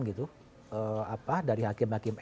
gitu apa dari hakim hakim